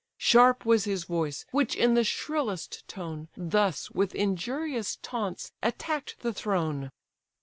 Sharp was his voice; which in the shrillest tone, Thus with injurious taunts attack'd the throne.